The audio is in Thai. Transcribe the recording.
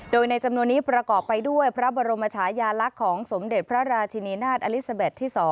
โดยในจำนวนนี้ประกอบไปด้วยพระบรมชายาลักษณ์ของสมเด็จพระราชินีนาฏอลิซาเบ็ดที่๒